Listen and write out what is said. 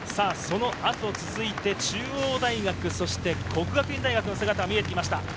そのあと続いて中央大学、そして國學院大學の姿が見えてきました。